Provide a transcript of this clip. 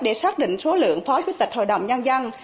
để xác định số lượng phó chủ tịch hội đồng nhân dân